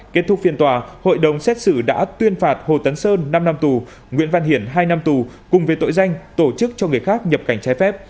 kết thúc phiên tòa hội đồng xét xử đã tuyên phạt hồ tấn sơn năm năm tù nguyễn văn hiển hai năm tù cùng với tội danh tổ chức cho người khác nhập cảnh trái phép